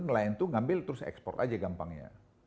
nelayan itu ngambil terus ekspor aja gampangnya